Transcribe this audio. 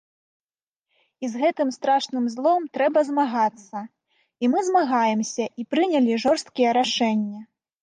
І з гэтым страшным злом трэба змагацца, і мы змагаемся і прынялі жорсткія рашэнні.